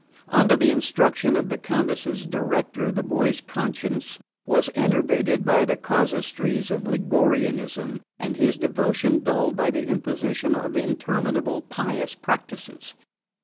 Under the instruction of the Countess's director the boy's conscience was enervated by the casuistries of Liguorianism and his devotion dulled by the imposition of interminable "pious practices."